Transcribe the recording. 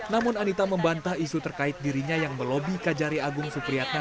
namun anita membantah isu terkait dirinya yang melobi kajari agung supriyatna